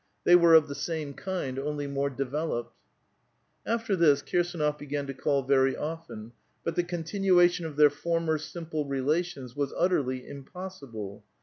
They were of the same kind, only more developed. After this, KirsAnof began to call vei^ often ; but the con tinnation of their former simple relations was utterly impos sible.